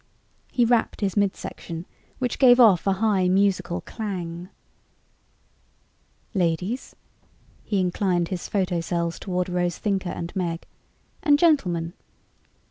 He rapped his midsection, which gave off a high musical clang. "Ladies " he inclined his photocells toward Rose Thinker and Meg "and gentlemen.